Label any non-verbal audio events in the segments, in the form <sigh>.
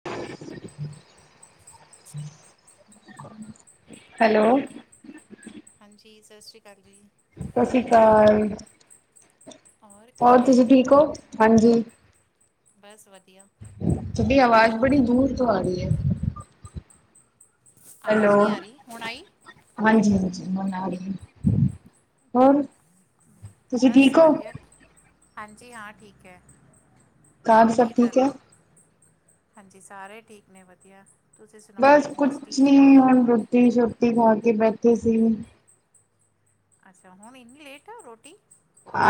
<inaudible> Hello ਹਾਂਜੀ ਜੀ ਸਤਿ ਸ਼੍ਰੀ ਅਕਾਲ ਜੀ ਸਤਿ ਸ੍ਰੀ ਅਕਾਲ ਔਰ ਹੋਰ ਕਿਵੇਂ ਤੁਸੀਂ ਠੀਕ ਹੋ ਹਾਂਜੀ ਬਸ ਵਧੀਆ ਤੁਹਾਡੀ ਆਵਾਜ਼ ਬੜੀ ਦੂਰ ਤੋਂ ਆ ਰਹੀ ਹੈ ਹੈਲੋ ਆਵਾਜ਼ ਨਹੀਂ ਆ ਰਹੀ ਹੁਣ ਆਈ ਹਾਂਜੀ ਹਾਂਜੀ ਹੁਣ ਅ ਰਹੀ ਹੈ, ਹੋਰ ਤੁਸੀਂ ਬਸ ਠੀਕ ਹੋ ਵਧੀਆ ਹਾਂਜੀ ਹਾਂ ਠੀਕ ਹੈ ਕਮ ਔਰ ਸਭ ਕੀ ਕਰ ਠੀਕ ਰਹੇ ਹੈ ਹੋ ਹਾਂਜੀ ਸਾਰੇ ਠੀਕ ਨੇ ਵਧੀਆ ਤੁਸੀਂ ਸੁਣਾਓ ਬਸ ਕੁਛ ਮਿਸਟੀ ਨੀ ਰੋਦਰੀ ਹੁਣ ਰੋਟੀ ਸ਼ੋਟੀ ਖਾ ਕੇ ਬੈਠ ਤੇ ਸੀ ਅੱਛਾ ਹੁਣ ਇੰਨੀ ਲੇਟ ਰੋਟੀ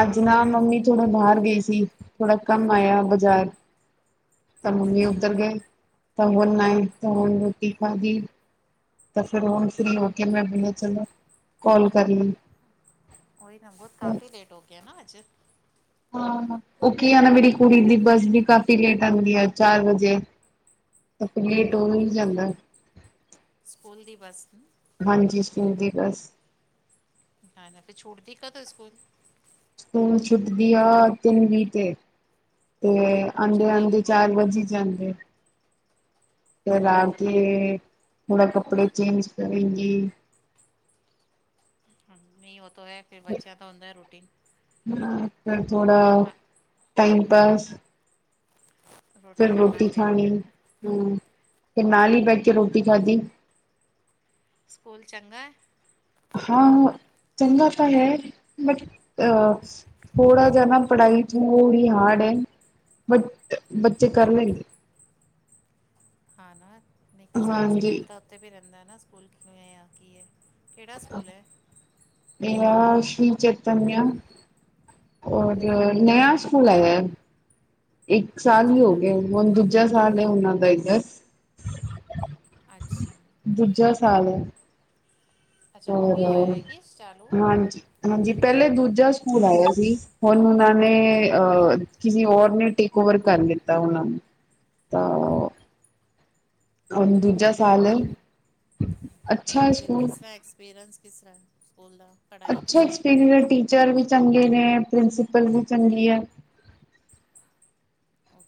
ਅੱਜ ਨਾ ਮੰਮੀ ਥੋੜਾ ਬਾਹਰ ਗਈ ਸੀ ਥੋੜਾ ਕੰਮ ਆਇਆ ਬਾਜ਼ਾਰ ਤਾਂ ਮੰਮੀ ਅੱਛਾ ਉਧਰ ਗਏ ਤਾਂ ਨਹੀਂ ਤਾਂਹੁਣ ਰੋਟੀ ਖਾਧੀ ਤਾਂ ਫਿਰ ਹੁਣ ਫਰੀ ਹੋ ਕੇ ਮੈਂ ਬੋਲ ਚਲੋ ਕਾਲ ਕਰ ਲਈ ਉਹੀ ਨਾ ਬਹੁਤ ਕਾਫੀ ਲੇਟ ਹੋ ਗਿਆ ਨਾ ਅੱਜ ਉਹ ਕੀ ਆ ਨਾ ਮੇਰੀ ਕੁੜੀ ਦੀ ਬੱਸ ਵੀ ਕਾਫੀ ਲੇਟ ਆਉਂਦੀ ਆ ਚਾਰ ਵਜੇ ਤਾਂ ਫਿਰ ਲੇਟ ਹੋ ਹੀ ਜਾਂਦਾ ਸਕੂਲ ਦੀ ਬੱਸ ਨੂੰ ਜੀ ਬਸ <inaudible> ਸਕੂਲ ਛੁੱਟਦੀਆ ਤਨ ਵੀੀਤੇ ਤੇ ਅੱਛਾ ਆਉਂਦੇ ਤਿੰਨ ਆਉਂਦੇ ਵੀਹ ਚਾਰ ਤੇ ਵਜ ਈ ਜਾਂਦੇ। ਫਿਰ ਆ ਹਾਂ ਕੇ ਠੀਕ ਹੁਣ ਕੱਪੜੇ ਚੇਂਜ ਕਰੇਂਗੀ। ਹਾਂ ਨਹੀਂ ਉਹ ਤੋਂ ਹੈ ਫਿਰ ਬੱਚਿਆਂ ਦਾ ਹੁੰਦਾ ਹੈ ਰੂਟੀਨ ਫਿਰ ਥੋੜਾ ਹਾਂ ਟਾਈਮ ਪਾਸ ਫਿਰ ਖਾਣਾ ਰੋਟੀ ਫਿਰ ਖਾਣੀ ਹੂੰ, ਫਿਰ ਓਏ ਨਾਲ ਹੀ ਓਏ ਬੈਠ ਕੇ ਰੋਟੀ ਖਾਧੀ। ਸਕੂਲ ਚੰਗਾ ਐ? ਹਾਂ ਚੰਗਾ ਤਾਂ ਹੈ ਬਟ ਅ, ਥੋੜ੍ਹਾ ਜਿਹਾ ਨਾ ਪੜ੍ਹਾਈ ਤੋਂ ਹੋ ਹੀ ਹਾਰਡ ਹੈ। ਬਟ ਬੱਚੇ ਕਰ ਲੈਣਗੇ। ਹਨਾਂ। ਨਹੀਂ ਕਿ ਸਾਨੂੰ ਹਾਂਜੀ ਸਕੂਲ ਤਾਂ ਉੱਤੇੇ ਰਹਿੰ ਬੰਦਾ ਨਾ ਸਕੂਲ ਕਿਵੇਂ ਆ ਕੀ ਐ? ਇਹ ਸ਼ ਚਤਨੀਆਂ ਔਰ ਨਿਆ ਸਕੂਲ ਆਇਆ। ਇੱਕ ਸਾਲ ਹੀ ਅੱਛਾ ਹੋ ਨਾ ਗਏ। ਹੁਣ ਦੂਜਾ ਸਾਲ ਉਹਨਾਂ ਦਾ ਇੱਧਰ ਅੱਛਾ ਦੂਜਾ ਸਾਲ ਐ। ਅੱਛਾ ਹਾਂ ਹੁਣ ਹੀ ਹੋਇਆ ਹੈ ਕਿ ਚਾਲੂ ਹਾਂ ਹਾਂਜੀ ਹਾਂਜੀ ਪਹਿਲੇ ਦੂਜੇ ਸਕੂਲ ਆਇਆ ਸੀ। ਹੁਣ ਉਹਨਾਂ ਨੇ ਅਹ ਕਿਸੀ ਔਰ ਨੇ ਟੇਕ ਓਵਰ ਕਰ ਲਿਤਾ ਉਹਨਾਂ ਨੂੰ ਤਾਂ ਹੁਣ ਦੂਜਾ ਓਕੇ ਸਾਲ ਹੈ ਓਕੇ ਅੱਛਾ ਹੈ ਹੁਣ ਫਿਰ ਸਕੂਲ ਕਿਸ ਤਰਾਂ ਐਕਸਪੀਰੀਐਂਸ ਦਾ। ਪੜ੍ਹਾਈ ਅੱਛਾ ਕਿਸ ਤਰ੍ਹਾਂ ਐਕਸਪੀਰੀਐਂਸ ਹੈ ਟੀਚਰ ਵੀ ਚੰਗੇ ਨੇ ਪ੍ਰਿੰਸੀਪਲ ਵੀ ਚੰਗੀ ਐ। ਓ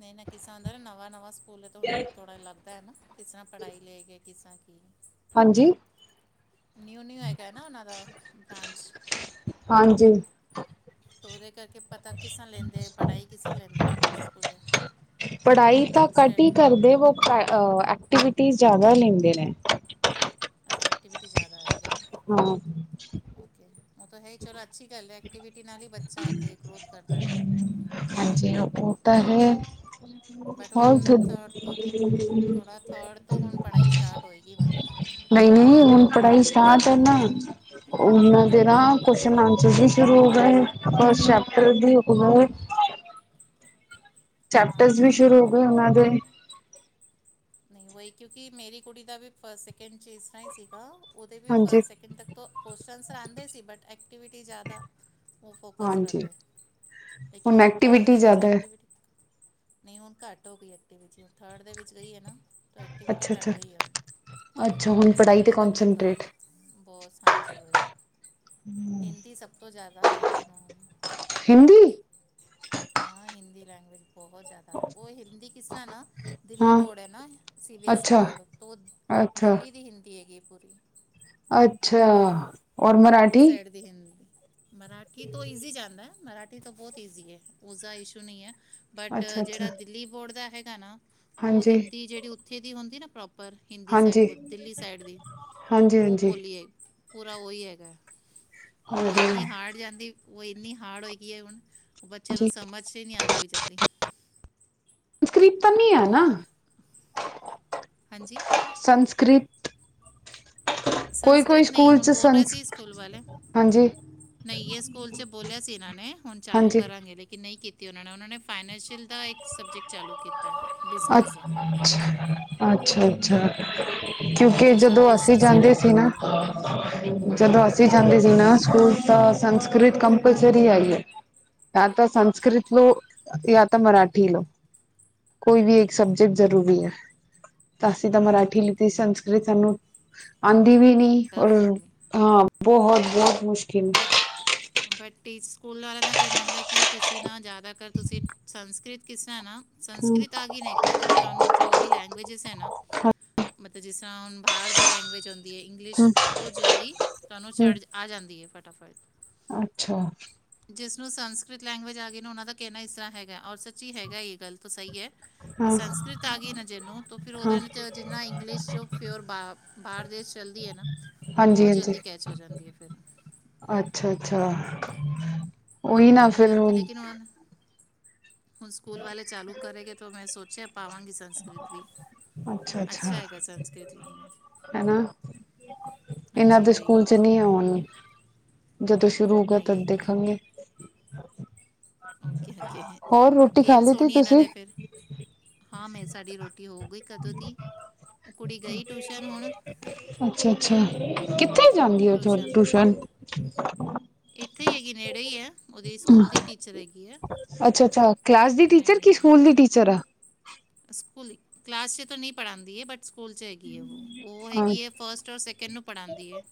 ਨਹੀਂ ਨਾ ਕਿਸ ਤਰ੍ਹਾਂ ਨਵਾਂ ਨਵਾਂ ਸਕੂਲ ਤੇ ਹੁਣ ਥੋੜ੍ਹਾ ਲੱਗਦਾ ਹੈ ਨਾ ਕਿਸ ਤਰ੍ਹਾਂ ਪੜ੍ਹਾਈ ਲੈ ਕੇ ਕਿਸ ਤਰ੍ਹਾਂ ਕਿ ਹਾਂਜੀ। ਨਿਊ ਨਿਊ ਹੈਗਾ ਨਾ ਉਹਨਾਂ ਦਾ ਬ੍ਰਾਂਚ। ਹ ਉਹਦੇ ਕਰ ਕਿ ਪਤਾ ਕਿਸ ਤਰ੍ਹਾਂ ਲੈਂਦੇ ਪੜ੍ਹਾਈ ਕਿਸ ਤਰ੍ਹਾਂ ਲੈਂਦੇ ਉਹਨੂੰ ਸਕੂਲੇ ਪੜ੍ਹਾਈ ਤਾਂ ਘੱਟ ਸਟੱਡੀ? ਹੀ ਕਰਦੇ ਵੋ ਐਕਟੀਵਿਟੀ ਜ਼ਿਆਦਾ ਲੈਂਦੇ ਨੇ। ਅੱਛਾ ਐਟੀਵਿਟੀ ਜ਼ਿਆਦਾ ਐ। ਹਾਂ ਓਕੇ ਉਹ ਤਾਂ ਹੈ ਚਲੋ ਅੱਛੀ ਗੱਲ ਹੈ। ਐਕਟੀਵਿਟੀ ਨਾਲ ਹੀ ਬੱਚਾ ਅੱਗੇ ਗਰੋਥ ਕਰਦਾ ਐ ਜਲਦੀ। ਹੋਰਥ ਨਹੀਂ ਨਹੀਂ ਹੁਣ ਪੜ੍ਹਾਈ ਤਾਂ ਨਾ ਉਹਨਾਂ ਤੇਰਾ ਕੁਸ਼ਚਨ ਆਨਸਰ ਵੀ ਸ਼ੁਰੂ ਹੋ ਗਏ ਫਸਟ ਚੈਪਟਰ ਦੀ ਹੋ ਗੇ। ਚੈਪਟਰਸ ਵੀ ਸ਼ੁਰੂ ਹੋ ਗਏ ਉਹਨਾਂ ਦੇ। ਨਹੀਂ ਉਹੀ ਕਿਉਂਕਿ ਮੇਰੀ ਕੁੜੀ ਦਾ ਵੀ ਫਸੱਟ, ਸੈਕਿੰਡ 'ਚ ਇਸ ਤਰ੍ਹਾਂ ਹੀ ਸੀਗਾ। ਉਹਦੇ ਵੀ ਹਾਂਜੀ ਫਰਸ਼ਟ, ਸਕਿੰਡ ਤੱਕ ਤੋਂ ਕੋਸਚਨ ਅਣਸਰ ਆਂਦੇ ਸੀ, ਬਟ ਐਕਚ ਐਕਟੀਵਿਟੀ ਜ਼ਿਆਦਾ। ਉਹ ਫੋਕਸ ਹਾਂਜੀ ਕਰਦੇ, ਲੇਕਿਨ ਹੁਣ ਥਰਡ ਐਕਟੀਵਿਟੀ ਦੇ ਵਿੱਚ ਜ਼ਿਆਦਾ ਹੈ। ਐਕਟਿਵਿਟੀ ਨਹੀਂ ਹੁਣ ਘੱਟ ਹੋ ਗਈ ਐਕਟੀ ਵਿੱਚ, ਹੁਣ ਥਰਡ ਦੇ ਵਿੱਚ ਗਈ ਹੈ ਨਾ। ਐਕਟੀਵਿਟੀ ਅੱਛਾ ਘੱਟ ਅੱਛਾ ਗਈ ਏ, ਅੱਛਾ ਹੁਣ ਪੜ੍ਹਾਈ ਤੇ ਸਟੱਡੀ ਦਾ ਫੋਕਸ ਕੋਂਸਟਰੇਟ ਬਹੁਤ, ਹਾਂਜੀ ਓਹੀ ਹਿੰਦੀ ਸਭ ਤੋਂ ਜ਼ਿਆਦਾ ਦਾ <unintelligible> ਨਾਲ ਹਿੰਦੀ। ਹਾਂ ਹਿੰਦੀ। ਲੈਂਗਵੇਏਜ। ਬਹੁਤ ਜ਼ਿਆਦਾ ਉਹ ਹਿੰਦੀ ਕਿਸ ਤਰ੍ਹਾਂ ਨਾ ਦਿੱਲੀ ਹਾਂ ਬੋਰਡ ਹੈ ਨਾ ਸੀ ਬੀ ਐਸ ਈ ਅੱਛਾ ਬੋਰਡ ਤੋਂ ਅੱਛਾ ਦਿੱਲੀ ਦੀ ਹਿੰਦੀ ਹੈਗੀ। ਹੋਰ ਜੀ। ਅੱਛਾ। ਔਰ ਵੋ ਮਰਾਠੀ ਸਾਈਡ ਦੀ ਹਿੰਦੀ। ਮਰਾਠੀ ਤੋਂ ਈਜ਼ੀ ਜਾਂਦਾ, ਮਰਾਠੀ ਤੋਂ ਬਹੁਤ ਈਜ਼ੀ ਏ, ਉਸਦਾ ਇਸ਼ੂ ਨਹੀਂ ਹੈ। ਬਟ ਅੱਛਾ ਅੱਛਾ ਜਿਹੜਾ ਦਿੱਲੀ ਬੋਰਡ ਦਾ ਹੈਗਾ ਨਾ। ਵੋ ਹਾਂਜੀ ਹਿੰਦੀ ਜਿਹੜੀ ਓਥ ਬੱਚੇ ਦੀ ਹੁੰਦੀ ਏ ਨਾ ਪ੍ਰੋ ਪਰ ਹਿੰਦੀ ਸਾਈ ਹਾਂਜੀ ਦਿੱਲੀ ਸਾਈਡ ਦੀ ਹਾਂਜੀ ਉਹ ਹਾਂਜੀ ਬੋਲੀ ਆਈ। ਪੂਰਾ ਉਹੀ ਹੈਗਾ। <unintelligible> ਵੋਂ ਇੰਨੀ ਹਾਂਜੀ ਹਾਰਡ ਜਾਂਦੀ। ਵੋਂ ਇੰਨੀ ਹਾਰਡ ਹੋਏਗੀ ਏ ਹੁਣ। ਬੱਚਿਆਂ ਨੂੰ ਸਮਝ 'ਚ ਨਹੀਂ ਆਉਂਦੀ। ਚੱਲੀ। <unintelligible> ਹੀ ਆ ਨਾ। ਹਾਂਜੀ। ਕ੍ਰਿਪ ਸੰਸਕ੍ਰਿਤ ਨਹੀਂ ਹੁਣ ਬੋਲ ਰਹੇ ਸੀ ਸਕੂਲ ਵਾਲੇ, ਹਾਂਜੀ ਨਹੀਂ ਇਹ ਸਕੂਲ 'ਚ ਬੋਲਿਆ ਸੀ ਇਹਨਾਂ ਨੇ ਹੁਣ ਚਾਲੂ ਹਾਂਜੀ ਕਰਾਂਗੇ, ਲੇਕਿਨ ਨਹੀਂ ਕੀਤੀ। ਅਤੇ ਉਹਨਾਂ ਨਾਲ਼ ਉਹਨਾਂ ਨੇ। ਫਾਈਨੈਂਸ਼ੀਅਲ ਦਾ ਇੱਕ ਸਬਜੈਕਟ ਚਾਲੂ ਕੀਤਾ, ਅ ਬਿਜ਼ਨਸ ਦਾ। ਅੱਛਾ ਅੱਛਾ। ਕਿਉਂਕਿ ਜਿਸ ਦਾ ਜਦੋਂ ਅਸੀਂ ਬਿਜ਼ਨਸ ਦੇ ਜਾਂਦੇ ਸੀ ਟੌਪਿਕ ਨਾ। ਤੇ ਜਦੋਂ ਹਾਂ ਅਸੀਂ ਜਾਂਦੇ ਸੀ ਨਾ। ਸਕੂਲ ਤਾਂ ਸੰਸਕ੍ਰਤ ਕੰਪਲਸਰੀ ਹੈਗੀ ਹੈ। ਯਾਂ ਤਾਂ ਸੰਸਕ੍ਰਤ ਲੋ ਜਾਂ ਤਾਂ ਮਰਾਠੀ ਲੋ। ਕੋਈ ਵੀ ਸਬਜੈਕਟ ਹਾਂ ਜ਼ਰੂਰੀ ਹੈ। ਤਾਂ ਅਸੀਂ ਤਾਂ ਮਰਾਠੀ ਓਕੇ ਲਿੱਤੀ। ਓਕੇ ਸੰਸਕ੍ਰਿਤ ਸਾਨੂੰ ਅੰਤ ਦੀ ਵੀ ਨ ਔਰ ਟਫ ਜਾਂਦੀ ਹਾਂ ਬਹੁਤ <unintelligible> ਬਟ, ਬਟ ਟੇਸ ਸਕੂਲ ਵਾਲਿਆਂ ਦਾ ਕਹਿਣਾ ਹੁੰਦਾ ਕਿ ਤੁਸੀਂ ਨਾ ਜ਼ਿਆਦਾਤਰ ਤੁਸੀਂ ਸੰਸਕ੍ਰਿਤ ਕਿਸ ਤਰ੍ਹਾਂ ਨਾ ਹਮ ਸੰਸਕ੍ਰਿਤ ਆ ਗਈ ਨਾ ਇੱਕ ਵਾਰ ਤੋਂ ਫਿਰ ਤੁਹਾਨੂੰ ਜੋ ਵੀ ਲੈਂਗੁਏਜਿਸ ਹੈ ਨਾ, ਮਤਲਬ ਜਿਸ ਤਰ੍ਹਾਂ ਹੁਣ ਬਾਹਰ ਦੀ ਲੈਂਗੁਏਜ ਹੁੰਦੀ ਏ। ਇੰਗਲਿਸ਼ ਹਮ ਬਹੁਤ ਜਲਦੀ ਤੁਹਾਨੂੰ ਹਮ ਚੜ ਆ ਜਾਂਦੀ ਹੈ। ਟਫੜ ਅੱਛਾ। ਜਿਸ ਨੂੰ ਸੰਸਕ੍ਰਿਤ ਲੈਂਗੁਏਜ ਆ ਗੀ ਨਾ, ਉਹਨਾਂ ਦਾ ਕਹਿਣਾ ਇਸ ਤਰ੍ਹਾਂ ਹੈਗਾ, ਔਰ ਸੱਚੀ ਹੈਗਾ ਇਹ ਗੱਲ ਤਾਂ ਸਹੀ ਹੈ। ਕਿ ਹਾਂ ਸੰਸਕ੍ਰਿਤ ਆ ਗਈ ਨਾ ਜਿਹਨੂੰ ਫਿਰ ਉਹਦੇ ਹਾਂ ਜਿੰਨਾ ਇੰਗਲਿਸ਼ ਜੋ ਫਿ ਬਾਹਰ ਦੇਸ਼ ਚਲਦੀ ਹੈ ਨਾ, ਉਹ ਹਾਂਜੀ ਬਹੁਤ ਹਾਂਜੀ ਜਲਦੀ ਕੈਚ ਹੋ ਜਾਂਦੀ ਹੈ ਫਿਰ ਅੱਛਾ, ਅੱਛਾ। ਉਹੀ ਤੋ ਨਾ ਉਹਦੇ ਫਿਰ ਕਰਕੇ ਹੁਣ ਲੇਕਿਨ ਹੁਨ ਹੁਣ ਸਕੂਲ ਵਾਲੇ ਚਾਲੂ ਕਰੇਗੇ ਤੋ ਮੈਂ ਸੋਚ ਪਾਵਾਂਗੀ ਸੰਸਕ੍ਰਤ ਵੀ। ਅੱਛਾ ਹੈਗਾ ਸੰਸਕ੍ਰਿਤ ਵੀ। ਹਨਾ ਇਹਨਾਂ ਹਾਂਜੀ, ਦੇ ਵਹੀ। ਸਕੂਲ ਚ ਨਹੀਂ ਆਉਣ ਜਦੋਂ ਸ਼ੁਰੂ ਹੋਗਾ ਨਹੀਂ ਤਦ ਹੈ ਕਿ ਦੇਖਾਂਗੇ ਓਕੇ ਹੋਰ ਰੋਟੀ ਖਾ ਗੇਮਸ ਲਈ ਤੀ ਹੋਣੀ ਇਹ ਤੁਸੀਂ ਦੇ ਫਿਰ ਹਾਂ, ਮੈਂ ਸਾਡੀ ਰੋਟੀ ਹੋ ਗਈ ਕਦੋਂ ਦੀ। ਉਹ ਕੁੜੀ ਗਈ ਟਿਊਸ਼ਨ ਹੁਣ। ਅੱਛਾ, ਅੱਛਾ ਕਿ ਕਿੱਥੇ ਜਾਂਦੀ ਥ ਟਿਊਸ਼ਨ। ਇੱਥੇ ਹੈਗੀ ਨੇੜੇ ਈ ਏ। ਅੱਛਾ, ਅੱਛਾ। ਕਲਾਸ ਦੀ ਟੀਚਰ, ਨੇੜੇ ਕੇ ਹੀ ਹੈ ਸਕੂਲ ਦੀ ਟੀਚਰ ਆ। ਸਕੂਲ। ਕਲਾਸ ਚ ਨਹੀਂ ਪੜਾਂਦੀ ਬਟ ਸਕੂਲ ਚ ਹੈਗੀ ਐ ਉਹ। ਉਹ ਆ ਹੈਗੀ ਹੈ ਫਸਟ ਔਰ ਸੈਕਿੰਡ ਨੂੰ ਪੜਾਂਦੀ ਹੈ।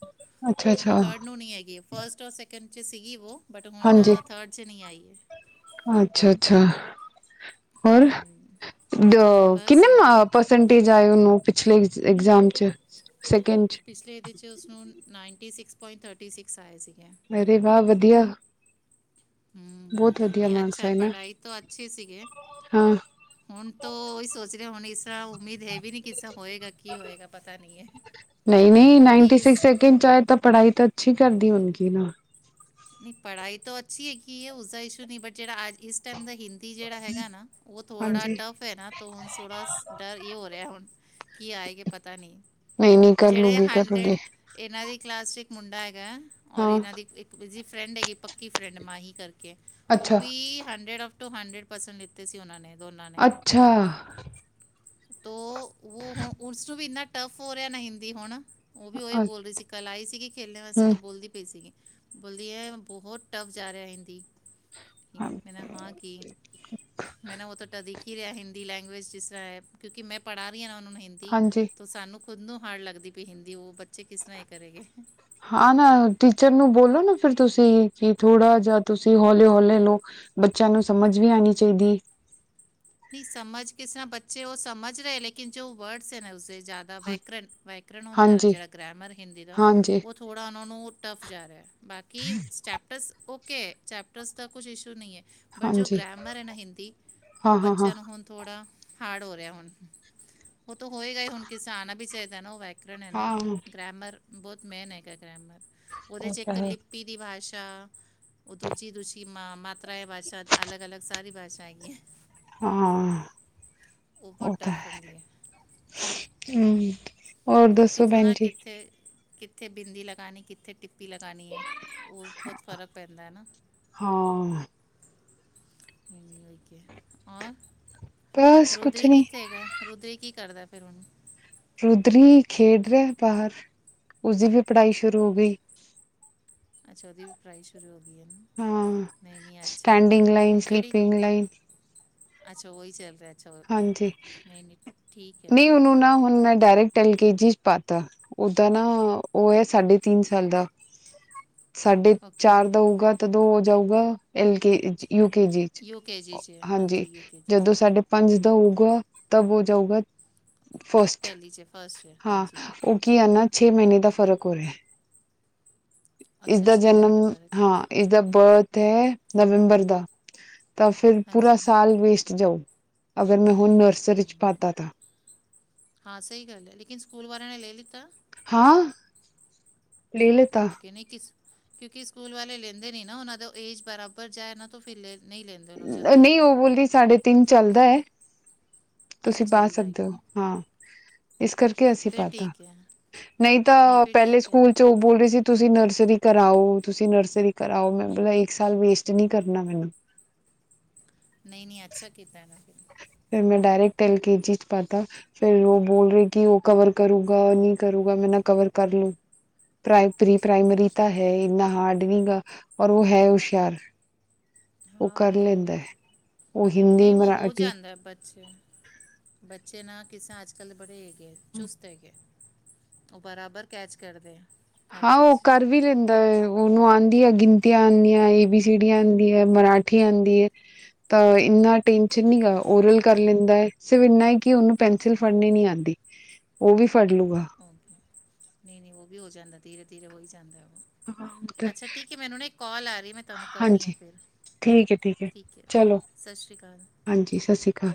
ਹੁਣ ਅੱਛਾ-ਅੱਛਾ, ਥਰਡ ਨੂੰ ਨੀ ਹੈਗੀ ਹੈ ਫਸਟ ਆਰ ਸੇ ਕੰਡ 'ਚ ਸੀਗੀ ਵੋ ਬਟ ਹੁਣ ਥਰਡ ਚ ਨਹੀਂ ਆਈ। ਹੈ ਅੱਛਾ, ਅੱਛਾ। ਹੋਰ ਹਾਂਜੀ ਹਾਂਜੀ। ਦ ਬਸ ਕਿੰਨੇ ਵਧੀਆ ਪਰਸੈਂਟੇਜ ਆਏ ਉਹਨੂੰ? ਪਿਛਲੇ ਐਗਜ਼ਾਮ 'ਚ? ਸੈਕਿੰਡ ਚ ਪਿਛਲੇ ਇਹਦੇ ਚ ਉਸਨੂੰ ਪੁਆਇੰ ਥਰਟੀ ਸਿਕਸ ਆਏ ਸੀਗੇ। ਅਰੇ ਵਾਹ ਵਧੀਆ। ਬਹੁਤ ਹਮਹੀ ਵਧੀਆ ਨਹੀਂ ਮਾਰਕਸ ਅੱਛਾ ਆਏ ਨਾ ਪੜ੍ਹਾਈ ਤੋਂ ਅੱਛੇ ਸੀਗੇ ਹਾਂ ਹੁਣ ਤਾਂ ਉਹੀ ਸੋਚ ਹੁਣ ਇਸ ਤਰ ਉਮੀਦ ਹੈ ਵੀ ਨੀ ਕਿਸ ਨਹੀਂ ਨਹੀਂ ਕਿਉਂਕਿ ਨਾਈਨਟੀ ਇਸ ਸਿਕਸ ਸੈਕਿੰਡ ਚ ਆ ਹੈ ਤਾਂ ਪੜ੍ਹਾਈ ਤਾਂ ਅੱਛੀ ਕਰਦੀ ਹੋਣਗੀ ਨਾ। ਨਹੀਂ ਪੜ੍ਹਾਈ ਤੋਂ ਅੱਛੀ ਹੈਗੀ ਹੈ ਉਸਦਾ ਇਸ਼ੂ ਨਹੀਂ ਬਟ ਜਿਹੜਾ ਅੱਜ ਇਸ ਟਮ ਦਾ ਹਿੰ ਜਿਹੜਾ ਹੈਗਾ ਨਾ ਉਹ ਥੋੜਾ ਹਾਂਜੀ ਟਫ ਹੈ ਨਾ ਹੁਣ ਥੋੜਾ ਡਰ ਇਹ ਹੋ ਰਿਹਾ ਹੁਣ ਕੀ ਆਏਗਾ ਪਤਾ ਨਹੀਂ। ਨਹੀਂ ਨਹੀਂ ਕਰ ਲੂਗੀ ਕਰ ਲੂਗੇ। ਪਲਾਸਟਿਕ ਮੁੰਡਾ ਹੈ। ਗਾ ਔਰ ਇਹਨਾਂ ਦੀ ਫਰੈਂਡ ਹੈਗੀ ਪੱਕੀ ਫਰੈਂਡ ਮਾਂਹੀ ਕਰਕੇ ਉਹ ਵੀ ਹੰਡਰਡਫ ਟੂ ਹੰਡਰਡ ਪਰਸੈਂਟ ਲਿੱਤੇ ਸੀ ਉਹ ਨੇ। ਅੱਛਾ। ਤ ਉਹ ਹੁਣ ਉਸਨੂੰ ਵੀ ਇੰਨਾ ਟਫ ਹੋ ਰਿਹਾ ਨਾ ਹਿੰਦੀ ਹੁਣ ਉਹ ਵੀ ਉਹੀ ਬੋਲ ਰਹੀ ਸੀ ਕੱਲ ਆਈ ਸੀਗੀ ਖੇਲਣੇ ਵਾਸਤੇ ਹੂੰ ਤਾਂ ਬੋਲਦੀ ਪਈ ਸੀਗੀ। ਬੋਲਦੀ ਹੈ ਬਹੁਤ ਟਫ ਜਾ ਰਿਹਾ ਹਿੰਦੀ। ਮੈਂ ਨਾ ਹਾਂ ਕਿ ਮੈਂ ਨਾ ਉਹ ਤਾਂ ਟਧ ਹੀ ਰਿਹਾ ਹਿੰਦੀ ਲੈਂਗੁਏਜ ਜਿਸ ਤ੍ਹਾਂ ਹੈ ਕਿਉਂਕਿ ਮੈਂ ਪੜ੍ਹਾ ਉਹਨਾਂ ਨੂੰ ਹਿੰਦੀ ਹਾਂਜੀ ਤੋਂ ਸਾਨੂੰ ਖੁਦ ਨੂੰ ਹਾਰਡ ਲੱਗਦੀ ਪ ਹਿੰਦੀ ਉਹ ਬੱਚੇ ਕਿਸ ਤਰ੍ਹਾਂ ਹੀ ਕਰੇ ਗ। ਹਾਂ ਨਾ ਟੀਚਰ ਨੂੰ ਬੋਲੋ ਨਾ? ਫਿਰ ਤੁਸੀਂ ਕਿ ਥੋੜਾ ਜਿਹਾ ਤੁਸੀਂ ਹੌਲੇ ਹੌਲੇ ਲ ਬੱਚਿਆਂ ਨੂੰ ਸਮਝ ਵੀ ਆਉਣੀ ਚਾਹੀਦੀ। ਨਹੀਂ ਸਮਝ ਕਿਸ ਤਰ੍ਹਾਂ ਬੱਚੇ ਉਹ ਸਮਝ ਰਹੇ ਲੇਕਿਨ ਜੋ ਵਰਡਸ ਹੈ ਉਸਦੇ ਜ਼ਿਆਦਾ ਵੈਕਰਨ ਵੈਕਰਨ ਹੁੰਦਾ ਨਾ ਹਾਂਜੀ ਜਿਹੜਾ ਗ੍ਰੈਮਰ ਹਿੰਦੀ ਦਾ ਹਾਂਜੀ ਉਹ ਥੋੜ੍ਹਾ ਉਹਨਾਂ ਨੂੰ ਟੱਫ ਜਾ ਰਿਹਾ ਬਾਕੀ ਸਟੈਪਟਸ ਉਹ ਓ ਚੈਪਟਰਸ ਦਾ ਕੁਛ ਇਸ਼ੂ ਨਹੀਂ ਹੈ। ਬਟ ਜੋ ਹਾਂਜੀ ਗ੍ਰਮਰ ਹੈ ਨਾ ਹਿੰਦੀ ਹਾਂ ਉਹ ਬੱਚਾ ਹਾਂ ਹਾਂ ਚਲ ਹੁਨ ਥੋੜਾ ਹਾਰਡ ਹੋ ਰਿਹਾ ਹੁਣ ਉਹ ਤਾਂ ਹੋਏਗਾ ਹੀ ਹੁਣ ਕਿਸੇ ਆਣਾ ਵੀ ਚਾਹੀਦਾ <unintelligible> ਹਾਂ <unintelligible> ਬਹੁਤ ਮੇਨ ਹੈ। ਕਰ ਗਰਾਮਰ ਉਹਦੇ ਉਹ ਚ ਤਾਂ ਇੱਕ ਹੈ ਲਿਪੀ ਦੀ ਵਾਜ ਹਾ ਦੂਜੀ ਤੂਸੀ ਮਾ ਮਤ ਪਰਾਏ ਵਾਚਕ ਅਲਗ ਅਲਗ ਸਾਰੀ ਭਾਸ਼ਾ ਚਾਹੀਏ ਹਾਂ ਉਪਰੋ ਟਪ ਆਂਦੀ ਹੈ। ਹੂ ਹੋਰ ਉਹ ਦੱਸੋ ਕਿੱਥੇ ਨਾ ਭੈਨਜੀ ਕਿੱਥੇ ਕਿੱਥੇ ਬਿੰਦੀ ਲਗਾਉਣੀ ਕਿੱਥੇ ਟੀ ਲਗਾਉਣੀ ਹੇ ਉਹ ਬਹੁਤ ਫ਼ਰਕ ਪੈਂਦਾ ਹੈ। ਹਾਂ <unintelligible> ਬਸ ਕੁਛ ਰੁਦਰੀ ਨੀ ਕਿੱਥੇ ਹੈਗਾ ਰੁਦਰੀ ਕੀ ਕਰਦਾ <unintelligible> ਰੁਦਰੀ ਖੇਡ ਰਿਹਾ ਬਾਹਰ ਉਸਦੀ ਵੀ ਪੜ੍ਹਾਈ ਸ਼ੁਰੂ ਹੋ ਗਈ। ਅੱਛਾ ਉਹਦੀ ਵੀ ਪ੍ਰਾਈ ਸ਼ੁਰੂ ਹੋ ਗਈ। ਹੈ ਨਾ ਹਾਂ ਨਹੀਂ ਨਹੀਂ ਅੱਛਾ ਹੈ ਨਾ ਸਟੈਂਡੀਿੰਗ ਲਾਈਨ ਹੁਣ ਕਿਹੜੀ ਸਲੀਪਿੰਗ ਲਾਈਨ ਅੱਛਾ ਉਹੀ ਚੱਲ ਰਿਹਾ ਅੱਛਾ ਉਹ- ਹਾਂਜੀ ਨਹੀਂ ਨਹੀਂ ਠੀਕ ਹੈ ਨਹੀ ਫਿਰ ਉਹਨੂੰ ਨਾ ਹੁਣ ਮੈਂ ਡਾਇਰੈਕਟ ਐਲਕੇ ਜੀ ਪਾਤਾ ਓਦਾ ਨਾ ਉਹ ਹੈ ਸਾਢੇ ਤਿਨ ਸਾਲ ਦਾ ਸਾਢੇ ਓਕੇ ਚਾਰ ਦਾ ਹੋਊਗਾ ਤਾਂਦੋਂ ਜਾਊਗਾ ਐਲ ਕੇ ਯੂਕੇ ਜੀ ਚ ਯੂ ਕੇ ਜੀ 'ਚ ਹੈ, ਹਾਂਜੀ ਯੂ ਕੇ ਜੀ 'ਚ ਜਦੋਂ ਸਾਡੇ ਜਦੋਂ ਹੋਊਗਾ ਤਬ ਹੋ ਜਾਊਗਾ ਫਸਟ ਪਹਿਲੀ 'ਚ ਫਸਟ ਹੈ ਹਾਂ ਹਾਂਜੀ ਉਹ ਕੀ ਹੈ। ਨਾ ਛੇ ਮਹੀਨੇ ਦਾ ਫ਼ਰਕ ਹੋ ਰਿਹਾ ਅੱਛਾ ਇਸਦਾ ਜਨਮ ਮਹੀਨੇ ਦਾ ਫਰਕ ਹਾਂ ਇਸਦਾ ਬਰਥ ਹੈ। ਨਵੰਬਰ ਦਾ ਤਾਂ ਫਿਰ ਪੂਰਾ ਹਾਂਜੀ ਸਾਲ ਵੇਸਟ ਜਾਓ ਅਗਰ ਨਹੀ। ਹਾਂ, ਸਹੀ ਗੱਲ ਹੈ ਲੇਕਿਨ ਸਕੂਲ ਵਾਲਿਆਂ ਨੇ ਲੇ ਲ ਤਾਂ ਹਾਂ। ਲੈ ਲਤਾ। ਓਕੇ ਨਹੀਂ ਕਿਸ ਕਿਉਂਕਿ ਸਕੂਲ ਵਾਲੇ ਲੈਂਦੇ ਨੀ ਨਾ ਓਨਾਂ ਤੋ ਏਜ ਬਰਾਬਰ ਜਾਂਏ ਏਨਾਂ ਤੋਂ ਫੇਰ ਲ ਨਹੀਂ ਉਹ ਬੋਲੀ ਸਾਢੇ ਤਿੰਨ ਚੱਲਦਾ ਹੈ। ਅੱਛਾ ਤੁਸੀਂ ਪਾ ਚੱਲਦਾ ਹੈ ਸਕਦੇ ਓ ਕਿ ਹਾਂ। ਏਸ ਕਰਕੇ ਅਸੀਂ ਫਿਰ ਪਾਤਾ ਠੀਕ ਹੈ ਨਹੀਂ ਤਾਂ ਫਿਰ ਪੈਲੇ ਠੀਕ ਸਕੂਲ ਚ ਉਹ ਬੋਲ ਰਹੇ ਸੀ। ਤੁਸੀਂ ਨਰਸਰੀ ਕਰਾਓ-ਤੁਸੀਂ ਨਰਸਰੀ ਕਰਾਓ, ਮੈਂ ਮਤਲਬ ਇੱਕ ਸਾਲ ਵੇਸਟ ਨੀ ਕਰਨਾ ਮੈਨੂੰ ਨਈ-ਨਈ ਅੱਛਾ ਕੀਤਾ ਇਹਨਾਂ ਫਿਰ ਮੈਂ ਡਾਇਰੈਕਟ ਐਲ ਕੇ ਜ ਚ ਪਾਤਾ ਫੇਰ ਉਹ ਬੋਲ ਰਹੇ ਕਿ ਉਹ ਕਵਰ ਕਰੂਗਾ ਨ ਕਰੂਗਾ ਮੈਂ ਨਾ ਕਵਰ ਕਰ ਲੋ ਪ੍ਰੀ ਪ੍ਰਾਈਮਰੀ ਤਾਂ ਹੈ ਇੰਨਾ ਹਾਰਡ ਨ ਗਾ ਔਰ ਉਹ ਹੈ ਹੁਸ਼ਿਆਰ। ਉਹ ਕਰ ਲੈਂਦਾ ਹੈ ਉਹ ਹਿੰਦੀ ਮਰਾਠ ਜਾਂਦਾ ਬੱਚੇ ਬੱਚੇ ਨਾ ਕਿਸਾਂ ਅੱਜ-ਕੱਲ੍ਹ ਬੜੇ ਏ ਚੁਸਤ ਹੇਗਾ ਓ ਬਰਾਬਰ ਕੈਚ ਕਰਦੇ ਹਾਂ, ਓ ਕਰ ਵੀ ਲੈਂਦਾ ਐ ਓਨੂੰ ਆਉਂ ਗਿਣਤੀਆਂ ਆਂਦੀਆਂ, ਏ ਬੀ ਸੀ ਡੀ ਆਂਦੀ ਏ, ਮਰਾਠੀ ਆਂਦੀ ਏ, ਤਾਂ ਇੰਨਾ ਟੈਂਨਸ਼ਨ ਨੀਗਾ। ਔਰਲ ਕਰ ਲੈਂਦਾ ਹੈ ਸਿਰਫ ਇੰਨਾ ਏ ਕਿ ਔਨੂੰ ਪੈਨਸਿਲ ਫੜਨ ਨੀ ਆਂਦੀ। ਔ ਵੀ ਫ ਨਹੀਂ ਨਹੀਂ ਉਹ ਵੀ ਹੋ ਜਾਂਦਾ। ਧੀਰੇ-ਧੀਰੇ ਹੋ ਹੀ ਜਾਂਦਾ। ਅੱਛਾ ਠੀਕ ਏ ਮੈਨੂੰ ਨਾ ਇੱਕ ਕਾਲ ਆ ਰਹੀ। ਮੈਂ ਤੁਹਾਨੂੰ ਕਰਨੀ ਆ ਹਾਂਜੀ ਫੇਰ। ਠੀਕ ਹੈ ਹੈ ਠੀਕ ਏ ਔ, ਕੇ ਚਲੋ ਸਸ਼ ਸ੍ਰੀ ਕਾਲ। ਹਾਂਜੀ ਸਤਿ ਸ਼੍ਰੀ ਅਕਾਲ